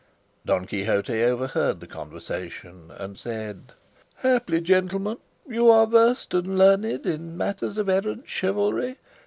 Don Quixote overheard the conversation and said, "Haply, gentlemen, you are versed and learned in matters of errant chivalry?